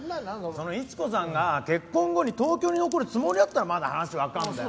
そのイチ子さんが結婚後に東京に残るつもりだったらまだ話はわかるんだよ。